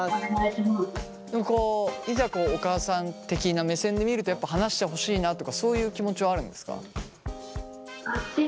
こういざお母さん的な目線で見るとやっぱ話してほしいなとかそういう気持ちはあるんですか？